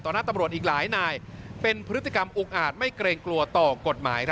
หน้าตำรวจอีกหลายนายเป็นพฤติกรรมอุกอาจไม่เกรงกลัวต่อกฎหมาย